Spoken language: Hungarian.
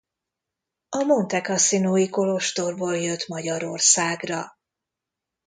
A Monte Cassino-i kolostorból jött Magyarországra.